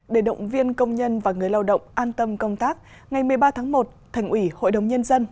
để động viên công nhân và người lao động an tâm công tác ngày một mươi ba tháng một thành ủy hội đồng nhân dân